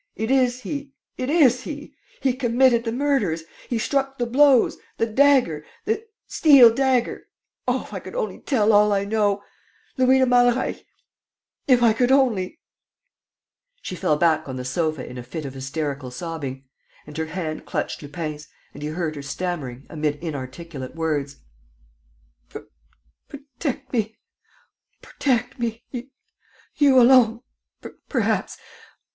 It is he ... it is he ... He committed the murders. ... He struck the blows. ... The dagger. ... The steel dagger. ... Oh, if I could only tell all I know! ... Louis de Malreich. ... If I could only ..." She fell back on the sofa in a fit of hysterical sobbing; and her hand clutched Lupin's and he heard her stammering, amid inarticulate words: "Protect me ... protect me. ... You alone, perhaps.